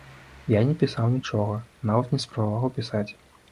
І я не пісаў нічога, нават не спрабаваў пісаць.